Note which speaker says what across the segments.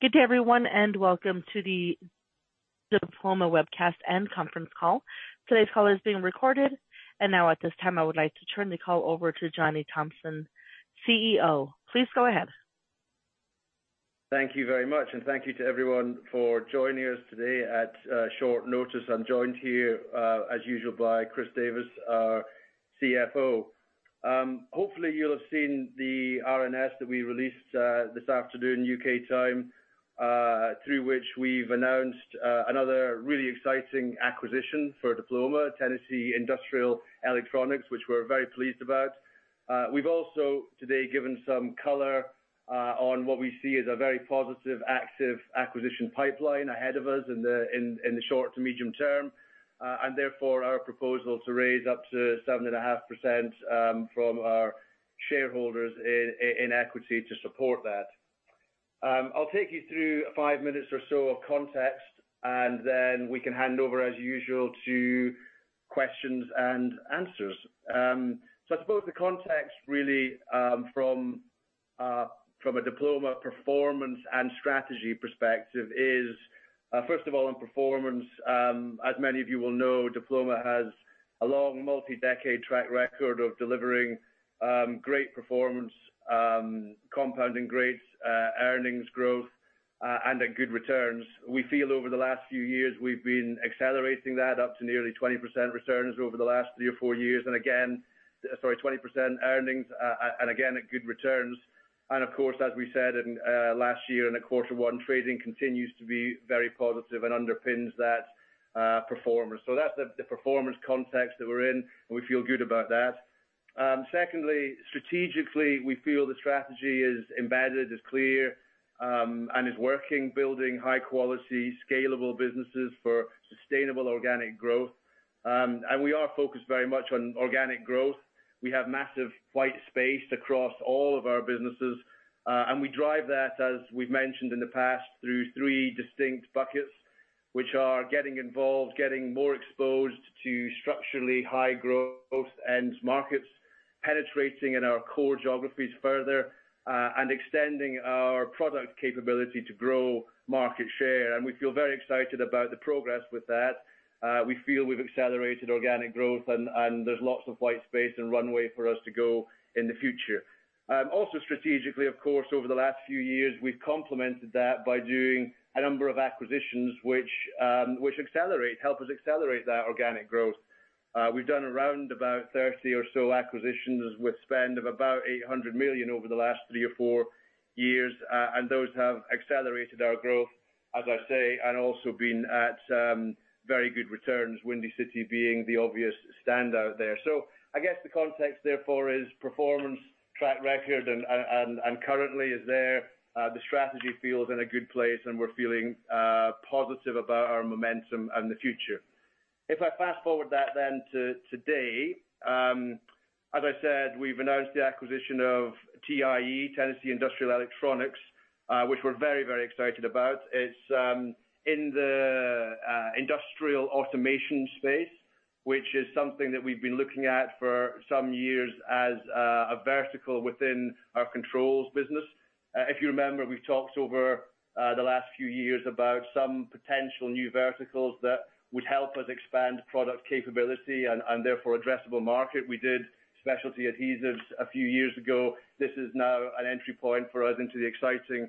Speaker 1: Good day everyone, welcome to the Diploma webcast and conference call. Today's call is being recorded. Now at this time, I would like to turn the call over to Johnny Thomson, CEO. Please go ahead.
Speaker 2: Thank you very much, thank you to everyone for joining us today at short notice. I'm joined here as usual by Chris Davies, our CFO. Hopefully you'll have seen the RNS that we released this afternoon, U.K. time, through which we've announced another really exciting acquisition for Diploma, Tennessee Industrial Electronics, which we're very pleased about. We've also today, given some color on what we see as a very positive active acquisition pipeline ahead of us in the short to medium term. Therefore, our proposal to raise up to 7.5% from our shareholders in equity to support that. I'll take you through five minutes or so of context, then we can hand over as usual to questions and answers. I suppose the context really, from a Diploma performance and strategy perspective is, first of all, on performance, as many of you will know, Diploma has a long multi-decade track record of delivering great performance, compounding great earnings growth, and good returns. We feel over the last few years we've been accelerating that up to nearly 20% returns over the last three or four years. 20% earnings, and again, at good returns. Of course, as we said in last year and the quarter one, trading continues to be very positive and underpins that performance. That's the performance context that we're in, and we feel good about that. Secondly, strategically, we feel the strategy is embedded, is clear, and is working, building high quality, scalable businesses for sustainable organic growth. We are focused very much on organic growth. We have massive white space across all of our businesses. We drive that, as we've mentioned in the past, through three distinct buckets, which are getting involved, getting more exposed to structurally high growth end markets, penetrating in our core geographies further, and extending our product capability to grow market share. We feel very excited about the progress with that. We feel we've accelerated organic growth and there's lots of white space and runway for us to go in the future. Also strategically, of course, over the last few years, we've complemented that by doing a number of acquisitions which help us accelerate that organic growth. We've done around about 30 or so acquisitions with spend of about 800 million over the last 3 or 4 years, and those have accelerated our growth, as i say, and also been at very good returns, Windy City being the obvious standout there. The context therefore is performance, track record and currently is there. The strategy feels in a good place, and we're feeling positive about our momentum and the future. If I fast-forward that then to today, as I said, we've announced the acquisition of TIE, Tennessee Industrial Electronics, which we're very, very excited about. It's in the industrial automation space, which is something that we've been looking at for some years as a vertical within our controls business. If you remember, we've talked over the last few years about some potential new verticals that would help us expand product capability and therefore addressable market. We did specialty adhesives a few years ago. This is now an entry point for us into the exciting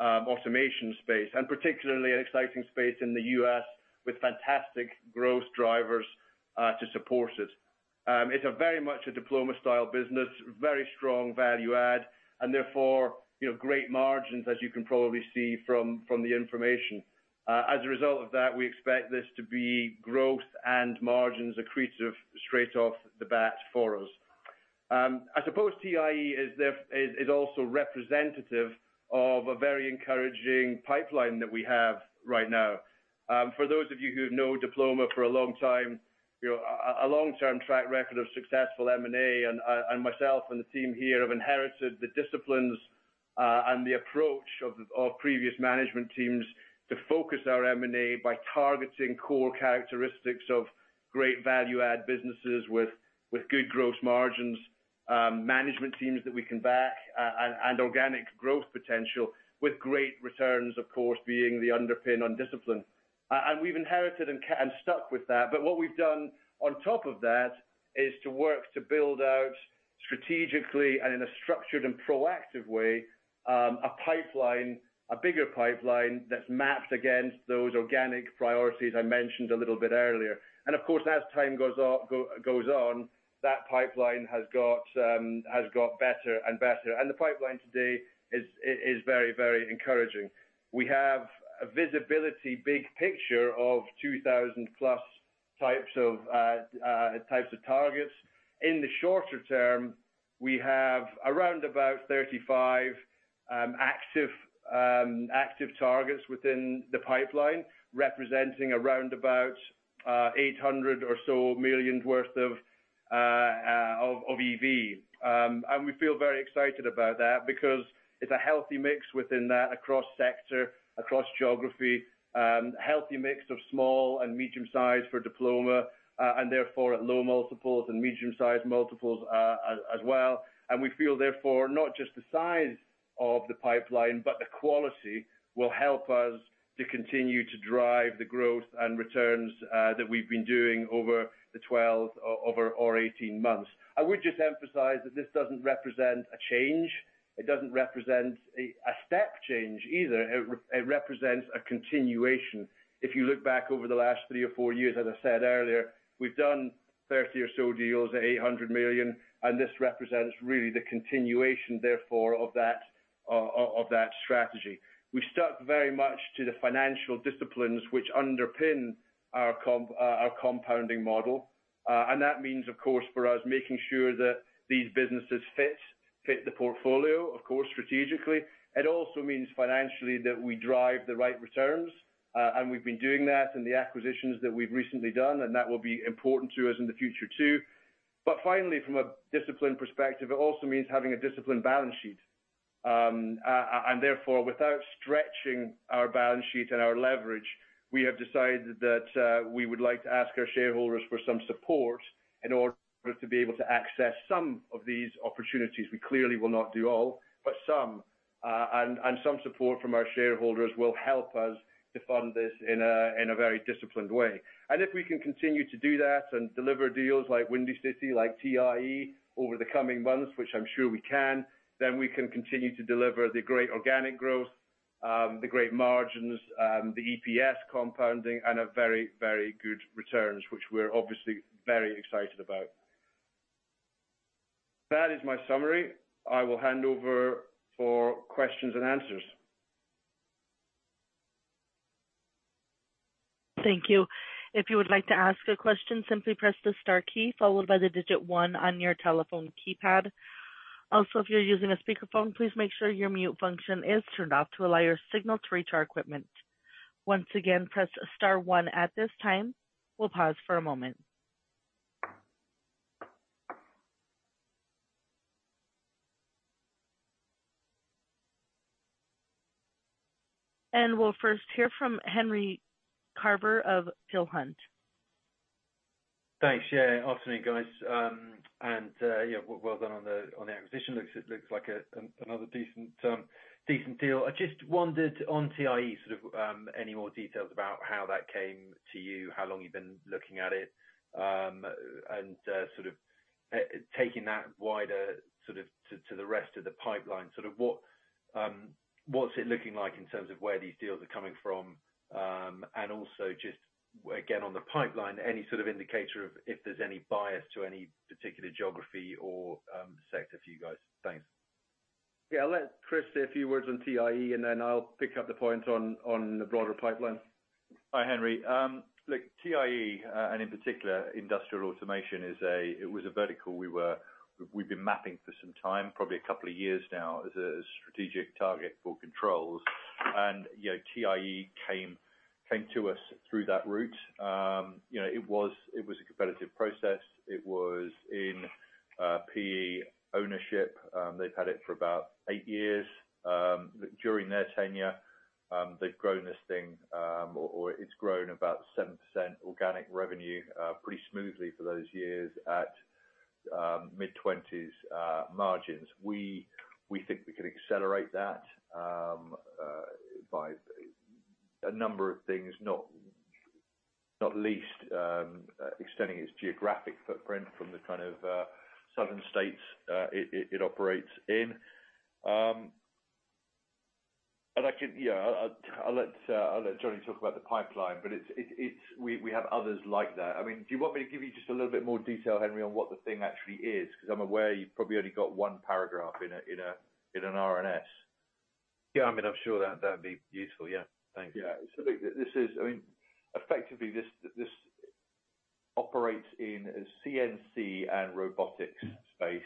Speaker 2: automation space, and particularly an exciting space in the U.S. with fantastic growth drivers to support it. It's a very much a Diploma style business, very strong value add, and therefore, you know, great margins as you can probably see from the information. As a result of that, we expect this to be growth and margins accretive straight off the bat for us. I suppose TIE is also representative of a very encouraging pipeline that we have right now. For those of you who've known Diploma for a long time, you know, a long-term track record of successful M&A, and myself and the team here have inherited the disciplines, and the approach of previous management teams to focus our M&A by targeting core characteristics of great value-add businesses with good growth margins, management teams that we can back, and organic growth potential with great returns, of course, being the underpin on discipline. We've inherited and stuck with that. What we've done on top of that is to work to build out strategically and in a structured and proactive way, a pipeline, a bigger pipeline that's mapped against those organic priorities I mentioned a little bit earlier. Of course, as time goes on, that pipeline has got better and better. The pipeline today is very, very encouraging. We have a visibility big picture of 2,000+ types of targets. In the shorter term, we have around about 35 active targets within the pipeline, representing around about 800 million or so worth of EV. We feel very excited about that because it's a healthy mix within that Across geography, healthy mix of small and medium-sized for Diploma, and therefore at low multiples and medium-sized multiples as well. We feel therefore not just the size of the pipeline, but the quality will help us to continue to drive the growth and returns that we've been doing over the 18 months. I would just emphasize that this doesn't represent a change. It doesn't represent a step change either. It represents a continuation. If you look back over the last 3 or 4 years, as I said earlier, we've done 30 or so deals at 800 million, and this represents really the continuation, therefore, of that strategy. We've stuck very much to the financial disciplines which underpin our compounding model. That means, of course, for us, making sure that these businesses fit the portfolio, of course, strategically. It also means financially that we drive the right returns, and we've been doing that in the acquisitions that we've recently done, and that will be important to us in the future too. Finally, from a discipline perspective, it also means having a disciplined balance sheet. Therefore, without stretching our balance sheet and our leverage, we have decided that we would like to ask our shareholders for some support in order for us to be able to access some of these opportunities. We clearly will not do all, but some. Some support from our shareholders will help us to fund this in a very disciplined way. If we can continue to do that and deliver deals like Windy City, like TIE over the coming months, which I'm sure we can, then we can continue to deliver the great organic growth, the great margins, the EPS compounding and a very, very good returns, which we're obviously very excited about. That is my summary. I will hand over for questions and answers.
Speaker 1: Thank you. If you would like to ask a question, simply press the star key followed by the digit 1 on your telephone keypad. If you're using a speakerphone, please make sure your mute function is turned off to allow your signal to reach our equipment. Once again, press star 1 at this time. We'll pause for a moment. We'll first hear from Henry Carver of Peel Hunt.
Speaker 3: Thanks. Yeah. Afternoon, guys. Yeah, well done on the, on the acquisition. Looks, it looks like a, another decent deal. I just wondered on TIE, sort of, any more details about how that came to you, how long you've been looking at it, and, sort of, taking that wider sort of to the rest of the pipeline, sort of, what's it looking like in terms of where these deals are coming from? Also just, again, on the pipeline, any sort of indicator of if there's any bias to any particular geography or sector for you guys? Thanks.
Speaker 2: Yeah. I'll let Chris say a few words on TIE, and then I'll pick up the point on the broader pipeline.
Speaker 4: Hi, Henry. Look, TIE, and in particular, Industrial Automation it was a vertical we've been mapping for some time, probably a couple of years now, as a strategic target for Controls. You know, TIE came to us through that route. You know, it was a competitive process. It was in PE ownership. They've had it for about 8 years. During their tenure, they've grown this thing, or it's grown about 7% organic revenue, pretty smoothly for those years at mid-twenties margins. We think we can accelerate that by a number of things, not least, extending its geographic footprint from the kind of southern states it operates in. Yeah, I'll let Johnny talk about the pipeline. We have others like that. I mean, do you want me to give you just a little bit more detail, Henry, on what the thing actually is? Because I'm aware you've probably only got one paragraph in an RNS.
Speaker 3: Yeah. I mean, I'm sure that'd be useful. Yeah. Thank you.
Speaker 2: Yeah. Look, effectively this operates in a CNC and robotics space.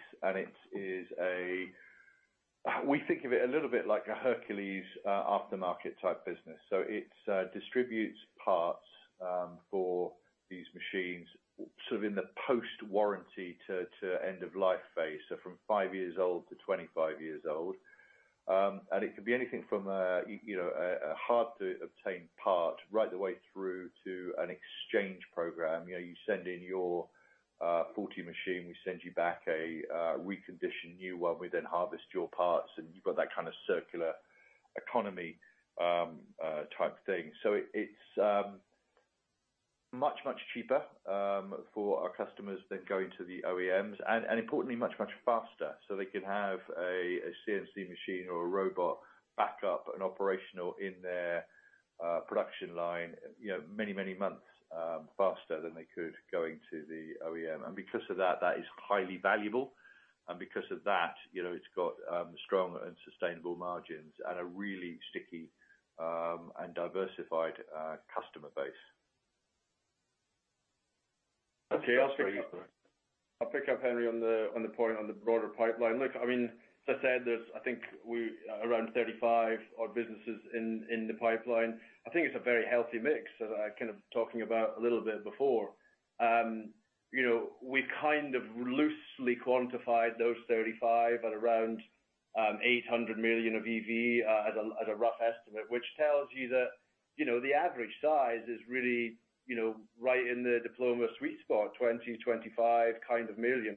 Speaker 2: We think of it a little bit like a Hercules aftermarket type business. It distributes parts for these machines sort of in the post-warranty to end of life phase. From five years old to 25 years old. It could be anything from a hard to obtain part right the way through to an exchange program. You know, you send in your faulty machine, we send you back a reconditioned new one. We then harvest your parts, you've got that kind of circular economy type thing. It's much, much cheaper for our customers than going to the OEMs and importantly, much, much faster. They can have a CNC machine or a robot back up and operational in their production line, you know, many months faster than they could going to the OEM. Because of that is highly valuable. Because of that, you know, it's got strong and sustainable margins and a really sticky and diversified customer base.
Speaker 4: That's very useful.
Speaker 2: Okay. I'll pick up Henry on the point on the broader pipeline. Look, I mean, as I said, there's I think we around 35 odd businesses in the pipeline. I think it's a very healthy mix, as I was kind of talking about a little bit before. You know, we kind of loosely quantified those 35 at around 800 million of EV at a rough estimate, which tells you that, you know, the average size is really, you know, right in the Diploma sweet spot 20, 25 kind of million.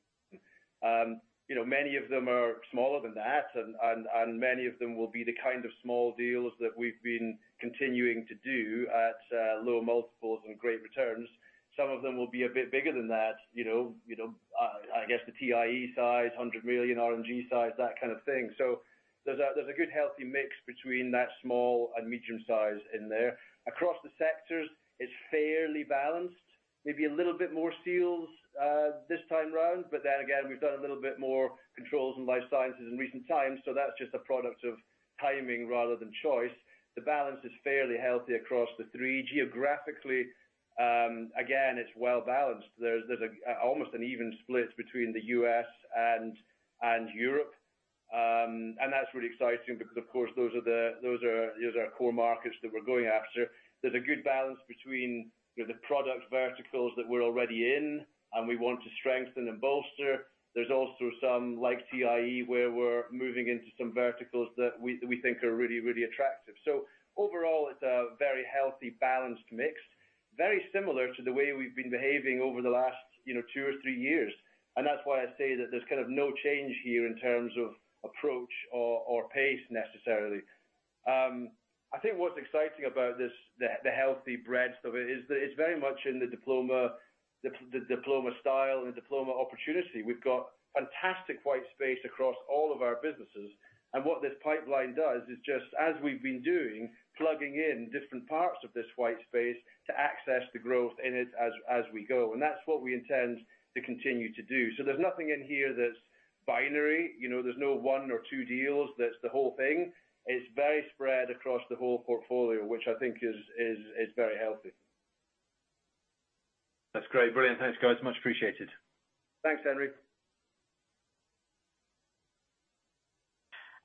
Speaker 2: You know, many of them are smaller than that and many of them will be the kind of small deals that we've been continuing to do at low multiples and great returns. Some of them will be a bit bigger than that, you know, you know, I guess the TIE size, $100 million R&G size, that kind of thing. There's a good healthy mix between that small and medium size in there. Across the sectors, it's fairly balanced. Maybe a little bit more seals this time round, but then again, we've done a little bit more Controls in Life Sciences in recent times, so that's just a product of timing rather than choice. The balance is fairly healthy across the three. Geographically, again, it's well-balanced. There's almost an even split between the U.S. and Europe. That's really exciting because of course, those are these are our core markets that we're going after. There's a good balance between, you know, the product verticals that we're already in and we want to strengthen and bolster. There's also some, like TIE, where we're moving into some verticals that we think are really, really attractive. Overall, it's a very healthy, balanced mix. Very similar to the way we've been behaving over the last, you know, two or three years. That's why I say that there's kind of no change here in terms of approach or pace necessarily. I think what's exciting about this, the healthy breadth of it is that it's very much in the Diploma, the Diploma style and the Diploma opportunity. We've got fantastic white space across all of our businesses. What this pipeline does is just, as we've been doing, plugging in different parts of this white space to access the growth in it as we go. That's what we intend to continue to do. There's nothing in here that's binary, you know. There's no one or two deals that's the whole thing. It's very spread across the whole portfolio, which I think is very healthy.
Speaker 3: That's great. Brilliant. Thanks, guys. Much appreciated.
Speaker 2: Thanks, Henry.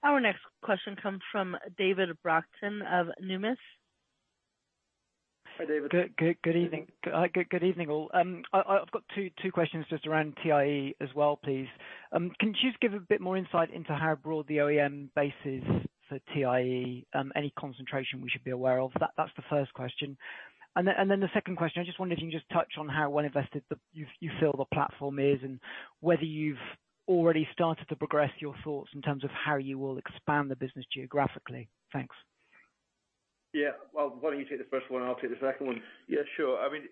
Speaker 1: Our next question comes from David Brockton of Numis.
Speaker 2: Hi, David.
Speaker 5: Good evening. Good evening all. I've got two questions just around TIE as well, please. Can you just give a bit more insight into how broad the OEM base is for TIE, any concentration we should be aware of? That's the first question. The second question, I just wondered if you can just touch on how well invested you feel the platform is and whether you've already started to progress your thoughts in terms of how you will expand the business geographically. Thanks.
Speaker 2: Well, why don't you take the first one? I'll take the second one. Sure. I mean,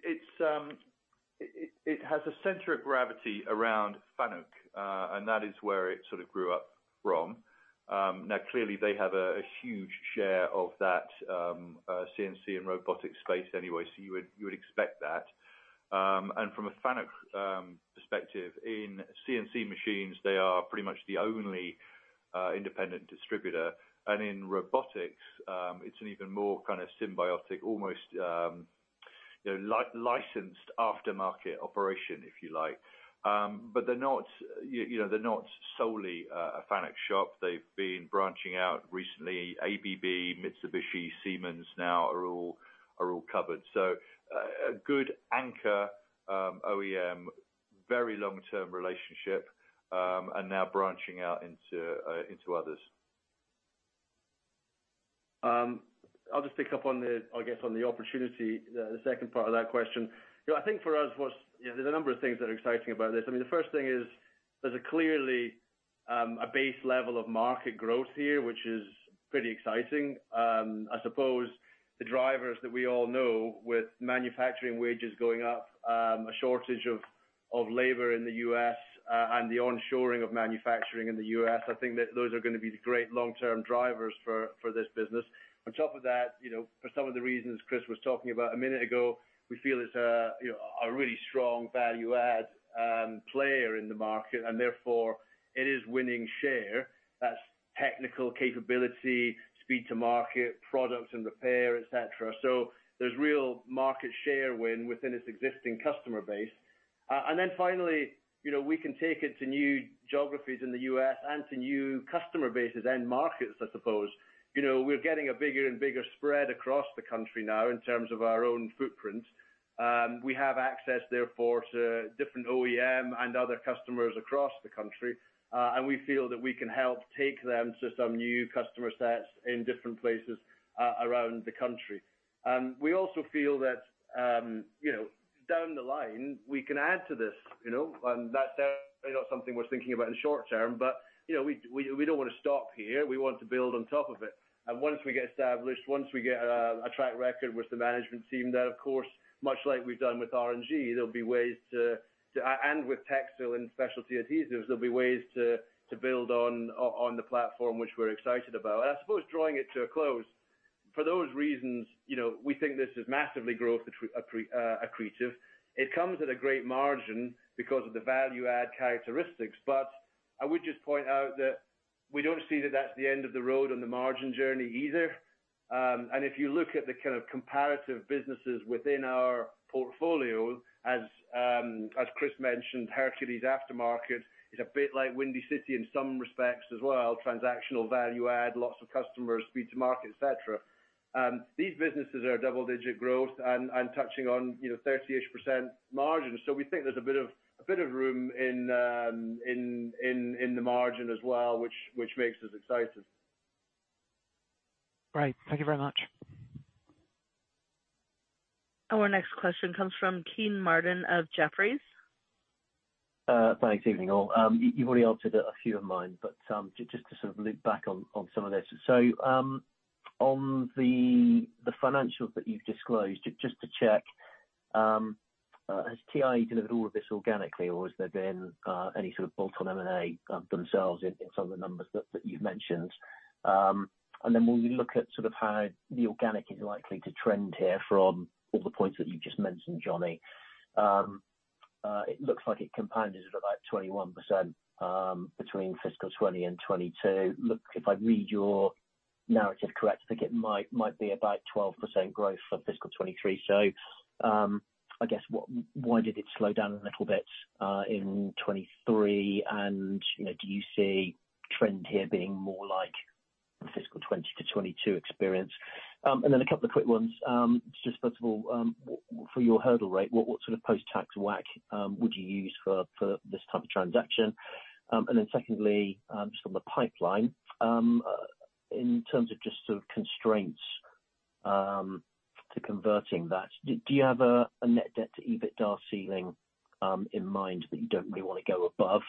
Speaker 2: it has a center of gravity around FANUC, and that is where it sort of grew up from. Now clearly they have a huge share of that CNC and robotics space anyway, so you would expect that. From a FANUC perspective, in CNC machines, they are pretty much the only independent distributor. In robotics, it's an even more kind of symbiotic, almost, you know, licensed aftermarket operation, if you like. They're not, you know, they're not solely a FANUC shop. They've been branching out recently. ABB, Mitsubishi, Siemens now are all covered. A good anchor, OEM, very long-term relationship, and now branching out into others. I'll just pick up on the, I guess, on the opportunity, the second part of that question. You know, I think for us was... Yeah, there's a number of things that are exciting about this. I mean, the first thing is there's a clearly a base level of market growth here, which is pretty exciting. I suppose the drivers that we all know with manufacturing wages going up, a shortage of labor in the U.S., and the onshoring of manufacturing in the U.S., I think that those are gonna be great long-term drivers for this business. On top of that, you know, for some of the reasons Chris was talking about a minute ago, we feel it's a, you know, a really strong value add player in the market, and therefore it is winning share. That's technical capability, speed to market, products and repair, et cetera. There's real market share win within its existing customer base. Finally, you know, we can take it to new geographies in the US and to new customer bases and markets, I suppose. You know, we're getting a bigger and bigger spread across the country now in terms of our own footprint. We have access, therefore, to different OEM and other customers across the country, and we feel that we can help take them to some new customer sets in different places around the country. We also feel that, you know, down the line we can add to this, you know. That's certainly not something we're thinking about in the short term, but, you know, we don't wanna stop here. We want to build on top of it. Once we get established, once we get a track record with the management team, then of course, much like we've done with R&G, there'll be ways to and with Techsil and Specialty Adhesives, there'll be ways to build on the platform which we're excited about. I suppose drawing it to a close, for those reasons, you know, we think this is massively growth accretive. It comes at a great margin because of the value add characteristics. I would just point out that we don't see that that's the end of the road on the margin journey either. And if you look at the kind of comparative businesses within our portfolio as Chris mentioned, Hercules Aftermarket is a bit like Windy City in some respects as well, transactional value add, lots of customers, speed to market, et cetera. These businesses are double-digit growth and touching on, you know, 30-ish % margin. We think there's a bit of room in the margin as well, which makes us excited.
Speaker 5: Great. Thank you very much.
Speaker 1: Our next question comes from Kean Marden of Jefferies.
Speaker 6: Thanks. Evening all. You've already answered a few of mine, but just to sort of loop back on some of this. On the financials that you've disclosed, just to check, has TIE delivered all of this organically, or has there been any sort of bolt-on M&A themselves in some of the numbers that you've mentioned? When we look at sort of how the organic is likely to trend here from all the points that you just mentioned, Jonny, it looks like it compounded at about 21% between fiscal 2020 and 2022. Look, if I read your narrative correct, I think it might be about 12% growth for fiscal 2023. I guess why did it slow down a little bit in 2023? You know, do you see trend here being more like the fiscal 2020 to 2022 experience? Then a couple of quick ones. Just first of all, for your hurdle rate, what sort of post-tax WACC would you use for this type of transaction? Secondly, just on the pipeline, in terms of just sort of constraints to converting that, do you have a net debt-to-EBITDA ceiling in mind that you don't really wanna go above?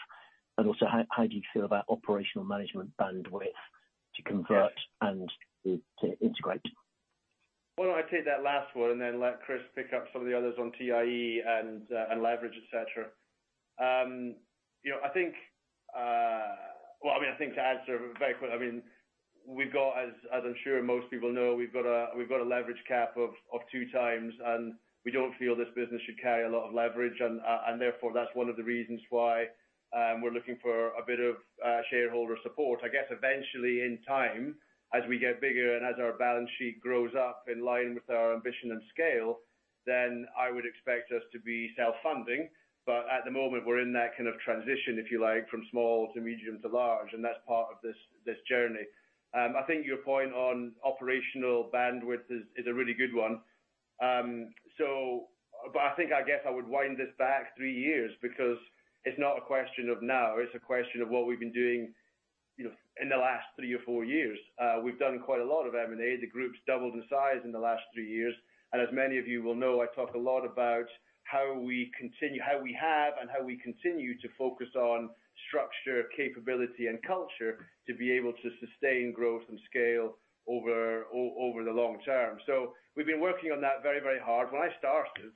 Speaker 6: Also, how do you feel about operational management bandwidth to convert-
Speaker 2: Yes.
Speaker 6: to integrate?
Speaker 2: Well, I take that last one, and then let Chris pick up some of the others on TIE and leverage, et cetera. You know, I think. Well, I mean, I think to answer very quickly, I mean, we've got, as I'm sure most people know, we've got a leverage cap of 2x, and we don't feel this business should carry a lot of leverage and therefore, that's one of the reasons why we're looking for a bit of shareholder support. I guess eventually, in time, as we get bigger and as our balance sheet grows up in line with our ambition and scale, then I would expect us to be self-funding. At the moment, we're in that kind of transition, if you like, from small to medium to large, and that's part of this journey. I think your point on operational bandwidth is a really good one. I think, I guess, I would wind this back three years because it's not a question of now, it's a question of what we've been doing, you know, in the last three or four years. We've done quite a lot of M&A. The group's doubled in size in the last three years. As many of you will know, I talk a lot about how we have and how we continue to focus on structure, capability, and culture to be able to sustain growth and scale over the long term. We've been working on that very, very hard. When I started,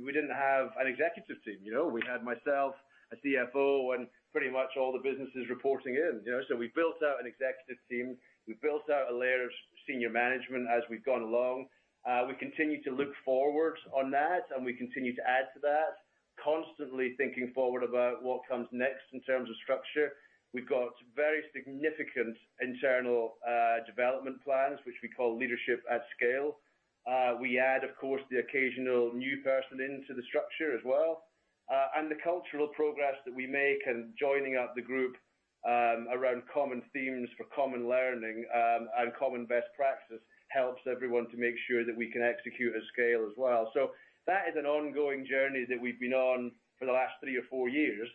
Speaker 2: we didn't have an executive team, you know? We had myself, a CFO, and pretty much all the businesses reporting in, you know? We built out an executive team. We built out a layer of senior management as we've gone along. We continue to look forward on that, and we continue to add to that, constantly thinking forward about what comes next in terms of structure. We've got very significant internal development plans, which we call Leadership at Scale. We add, of course, the occasional new person into the structure as well. The cultural progress that we make and joining up the group, around common themes for common learning, and common best practices helps everyone to make sure that we can execute at scale as well. That is an ongoing journey that we've been on for the last 3 or 4 years,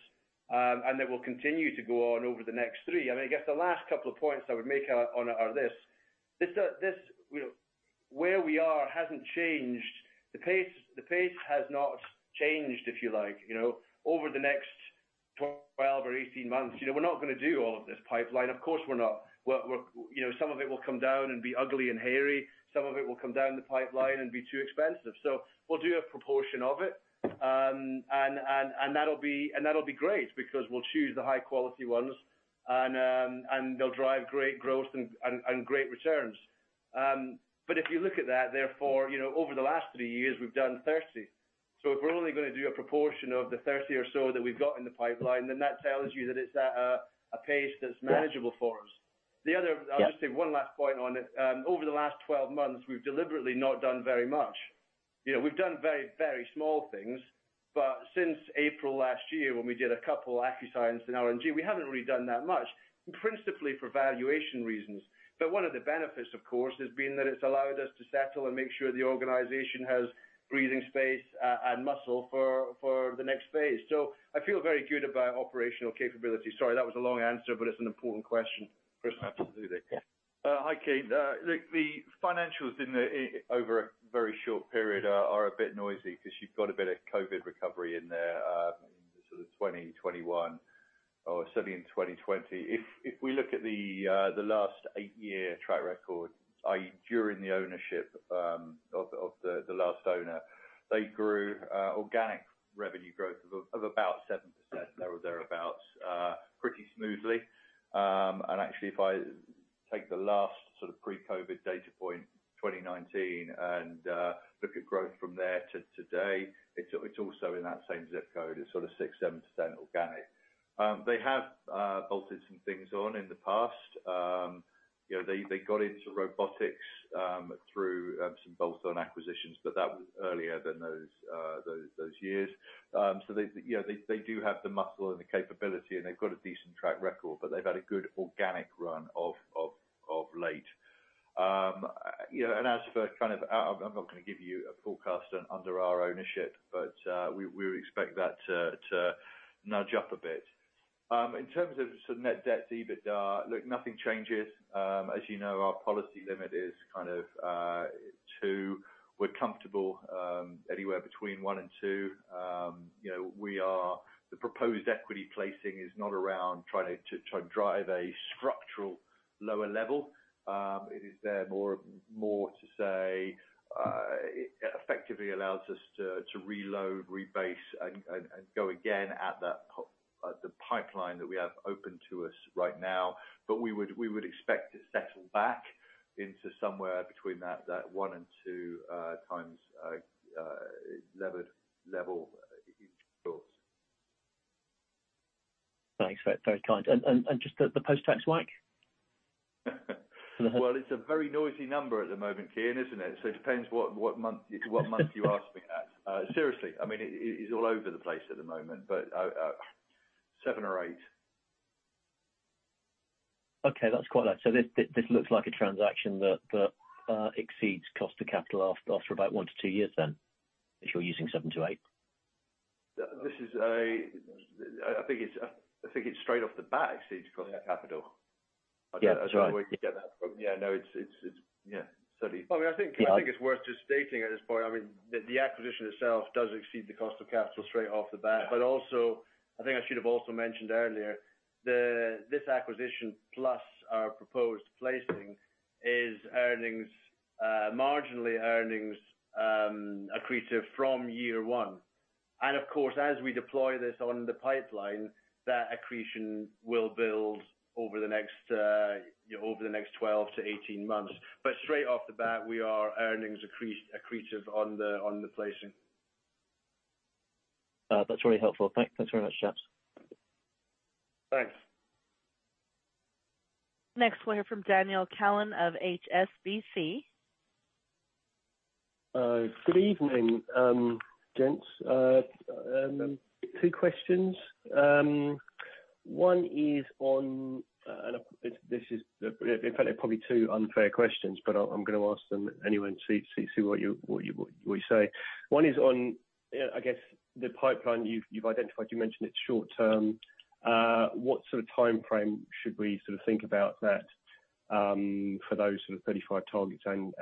Speaker 2: and that will continue to go on over the next 3. I mean, I guess the last couple of points I would make, on are this. This, this, you know, where we are hasn't changed. The pace has not changed, if you like, you know. Over the next 12 or 18 months, you know, we're not gonna do all of this pipeline. Of course, we're not. We're. You know, some of it will come down and be ugly and hairy. Some of it will come down the pipeline and be too expensive. We'll do a proportion of it. And that'll be great because we'll choose the high-quality ones and they'll drive great growth and great returns. If you look at that, therefore, you know, over the last 3 years, we've done 30. If we're only gonna do a proportion of the 30 or so that we've got in the pipeline, then that tells you that it's at a pace that's manageable for us.
Speaker 6: Yeah.
Speaker 2: The other-
Speaker 6: Yeah.
Speaker 2: I'll just take one last point on it. Over the last 12 months, we've deliberately not done very much. You know, we've done very small things. Since April last year, when we did a couple AccuScience and R&G, we haven't really done that much, principally for valuation reasons. One of the benefits, of course, has been that it's allowed us to settle and make sure the organization has breathing space and muscle for the next phase. I feel very good about operational capability. Sorry, that was a long answer, but it's an important question. Chris, absolutely.
Speaker 6: Yeah.
Speaker 2: Hi, Kean. The financials over a very short period are a bit noisy because you've got a bit of COVID recovery in there in sort of 2020, 2021, or certainly in 2020. If we look at the last 8-year track record, i.e., during the ownership of the last owner, they grew organic revenue growth of about 7% there or thereabout, pretty smoothly. Actually, if I take the last sort of pre-COVID data point, 2019, and look at growth from there to today, it's also in that same zip code. It's sort of 6%, 7% organic. They have bolted some things on in the past. you know, they got into robotics, through some bolt-on acquisitions, but that was earlier than those years. They, you know, they do have the muscle and the capability, and they've got a decent track record, but they've had a good organic run of late. You know, and as for kind of I'm not gonna give you a forecast under our ownership, but we expect that to nudge up a bit. In terms of sort of net debt to EBITDA, look, nothing changes. As you know, our policy limit is kind of 2. We're comfortable, anywhere between 1 and 2. You know, The proposed equity placing is not around trying to drive a structural lower level. It is there more to say. It effectively allows us to reload, rebase and go again at the pipeline that we have open to us right now. We would expect to settle back into somewhere between that one and two times levered level.
Speaker 6: Thanks. Very kind. Just the post-tax WACC?
Speaker 2: Well, it's a very noisy number at the moment, Kean, isn't it? It depends what month you're asking at. Seriously, I mean, it's all over the place at the moment, seven or eight.
Speaker 6: Okay. That's quite. This looks like a transaction that exceeds cost to capital after about 1-2 years, if you're using 7-8.
Speaker 2: I think it's straight off the bat exceeds cost of capital.
Speaker 6: Yeah. That's right.
Speaker 2: I don't know where you'd get that from. Yeah. No, it's. Yeah. Sorry. I mean, I think it's worth just stating at this point, I mean, the acquisition itself does exceed the cost of capital straight off the bat. Yeah. Also, I think I should have also mentioned earlier, this acquisition plus our proposed placing is earnings, marginally earnings, accretive from year 1. Of course, as we deploy this on the pipeline, that accretion will build over the next 12 to 18 months. Straight off the bat, we are earnings accretive on the placing.
Speaker 6: That's really helpful. Thanks very much, chaps.
Speaker 2: Thanks.
Speaker 1: Next, we'll hear from Daniel Cowan of HSBC.
Speaker 7: Good evening, gents. two questions. One is on, and this is, in fact, they're probably two unfair questions, but I'm gonna ask them anyway and see what you say. One is on, I guess the pipeline you've identified. You mentioned it's short term. What sort of timeframe should we sort of think about that for those sort of 35 targets and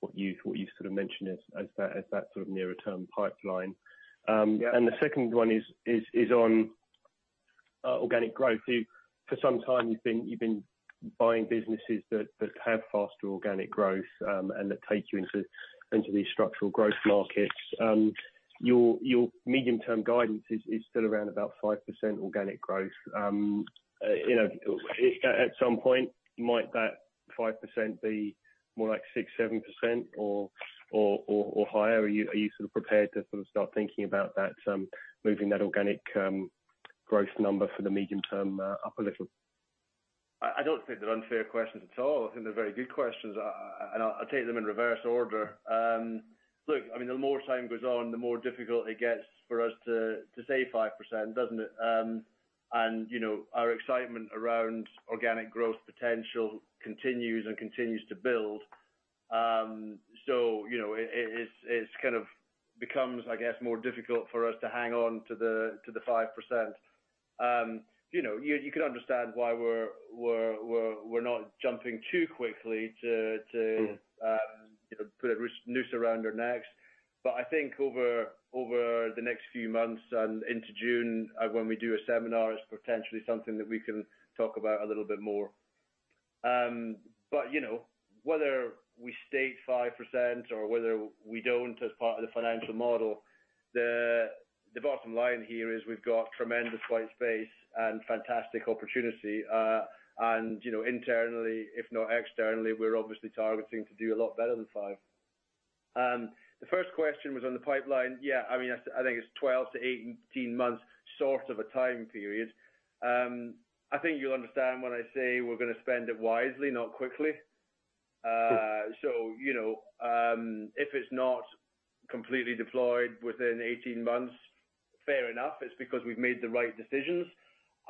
Speaker 7: what you sort of mentioned as that sort of nearer term pipeline?
Speaker 2: Yeah.
Speaker 7: The second one is on organic growth. You've for some time you've been buying businesses that have faster organic growth and that take you into these structural growth markets. Your medium-term guidance is still around about 5% organic growth. You know, at some point might that 5% be more like 6%, 7% or higher? Are you sort of prepared to sort of start thinking about that, moving that organic growth number for the medium term up a little?
Speaker 2: I don't think they're unfair questions at all. I think they're very good questions. I'll take them in reverse order. Look, I mean, the more time goes on, the more difficult it gets for us to say 5%, doesn't it? You know, our excitement around organic growth potential continues to build. You know, it's kind of becomes, I guess, more difficult for us to hang on to the 5%. You know, you can understand why we're not jumping too quickly to.
Speaker 7: Mm-hmm...
Speaker 2: you know, put a noose around our necks. I think over the next few months and into June, when we do a seminar, it's potentially something that we can talk about a little bit more. You know, whether we state 5% or whether we don't as part of the financial model, the bottom line here is we've got tremendous white space and fantastic opportunity. You know, internally, if not externally, we're obviously targeting to do a lot better than five. The first question was on the pipeline. Yeah. I mean, that's, I think it's 12-18 months sort of a time period. I think you'll understand when I say we're gonna spend it wisely, not quickly.
Speaker 7: Mm-hmm.
Speaker 2: You know, if it's not completely deployed within 18 months, fair enough. It's because we've made the right decisions.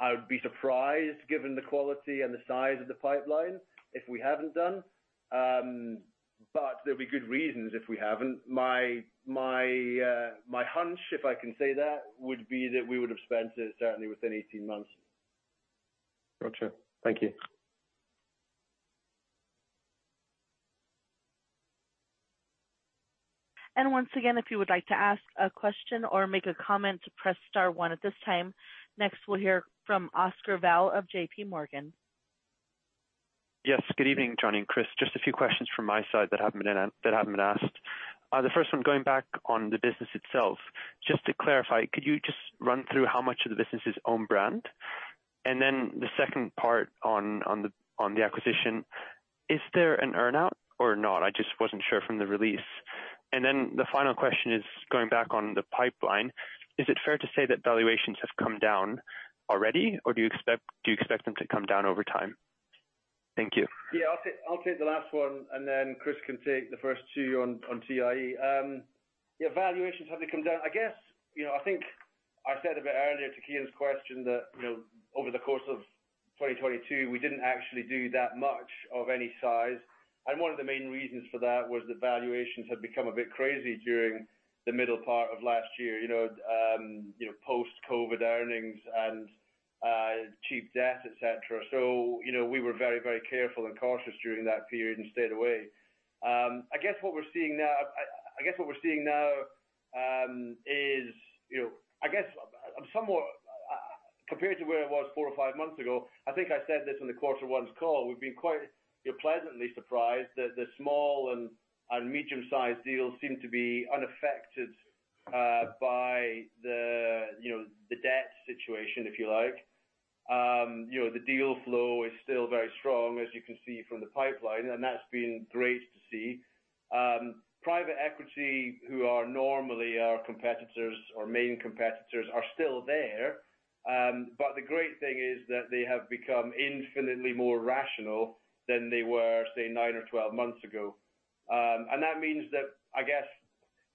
Speaker 2: I would be surprised, given the quality and the size of the pipeline, if we haven't done. There'll be good reasons if we haven't. My, my hunch, if I can say that, would be that we would have spent it certainly within 18 months.
Speaker 7: Gotcha. Thank you.
Speaker 1: Once again, if you would like to ask a question or make a comment, press star one at this time. Next, we'll hear from Oscar Vallee of JP Morgan.
Speaker 8: Yes. Good evening, Johnny and Chris. Just a few questions from my side that haven't been asked. The first one, going back on the business itself, just to clarify, could you just run through how much of the business is own brand? And then the second part on the acquisition, is there an earn-out or not? I just wasn't sure from the release. The final question is going back on the pipeline. Is it fair to say that valuations have come down already, or do you expect them to come down over time? Thank you.
Speaker 2: Yeah. I'll take the last one, and then Chris Davies can take the first two on TIE. Valuations have come down. I guess I think I said a bit earlier to Kean Marden's question that over the course of 2022, we didn't actually do that much of any size. One of the main reasons for that was the valuations had become a bit crazy during the middle part of last year, post-COVID earnings and cheap debt, et cetera. We were very, very careful and cautious during that period and stayed away. I guess what we're seeing now is I guess I'm somewhat... Compared to where it was four or five months ago, I think I said this in the quarter one's call, we've been quite pleasantly surprised that the small and medium-sized deals seem to be unaffected by the debt situation, if you like. The deal flow is still very strong, as you can see from the pipeline, and that's been great to see. Private equity, who are normally our competitors or main competitors, are still there, but the great thing is that they have become infinitely more rational than they were, say, nine or 12 months ago. That means that, if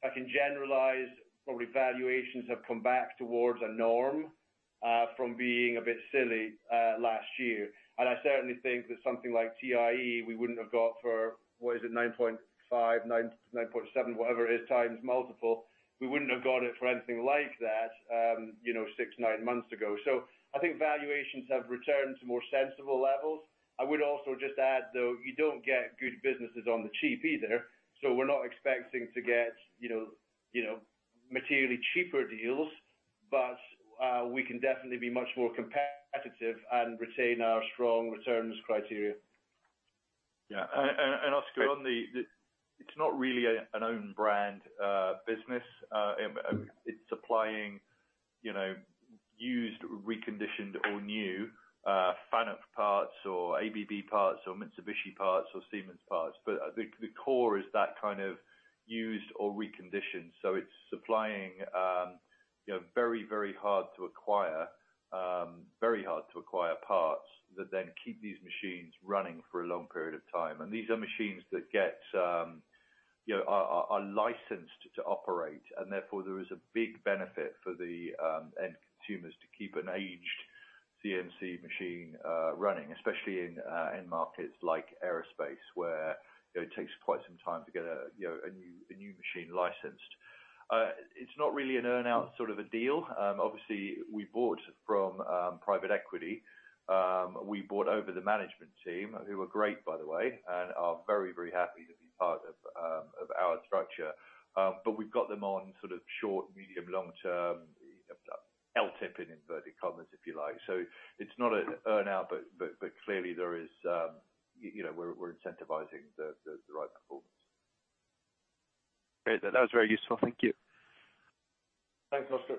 Speaker 2: I can generalize, probably valuations have come back towards a norm from being a bit silly last year. I certainly think that something like TIE, we wouldn't have got for, what is it, 9.5x, 9x, 9.7x, whatever it is, multiple. We wouldn't have got it for anything like that, you know, six, nine months ago. I think valuations have returned to more sensible levels. I would also just add, though, you don't get good businesses on the cheap either, so we're not expecting to get, you know, materially cheaper deals. We can definitely be much more competitive and retain our strong returns criteria.
Speaker 4: Yeah. Oscar, it's not really an own brand business. It's supplying, you know, used, reconditioned or new, FANUC parts or ABB parts or Mitsubishi parts or Siemens parts. The core is that kind of used or reconditioned. It's supplying, you know, very, very hard to acquire parts that then keep these machines running for a long period of time. These are machines that get, you know, are licensed to operate, and therefore, there is a big benefit for the end consumers to keep an aged CNC machine running, especially in end markets like aerospace, where it takes quite some time to get a new machine licensed. It's not really an earn-out sort of a deal. Obviously, we bought from private equity. We bought over the management team, who are great by the way, and are very happy to be part of our structure. We've got them on sort of short, medium, long-term, LTP in inverted commas, if you like. It's not an earn-out, but clearly there is, you know, we're incentivizing the right performance.
Speaker 8: Great. That was very useful. Thank you.
Speaker 2: Thanks, Oscar.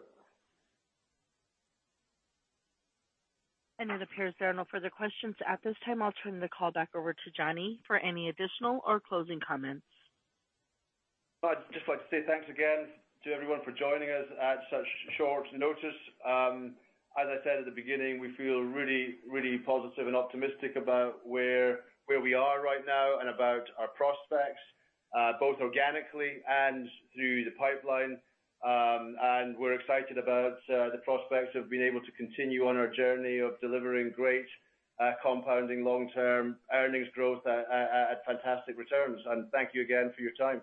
Speaker 1: It appears there are no further questions at this time. I'll turn the call back over to Jonny for any additional or closing comments.
Speaker 2: I'd just like to say thanks again to everyone for joining us at such short notice. As I said at the beginning, we feel really, really positive and optimistic about where we are right now and about our prospects, both organically and through the pipeline. We're excited about the prospects of being able to continue on our journey of delivering great compounding long-term earnings growth at fantastic returns. Thank you again for your time.